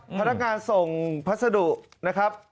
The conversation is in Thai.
พนักงานส่งพัสดุนะครับ